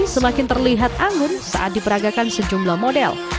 semakin terlihat anggun saat diperagakan sejumlah model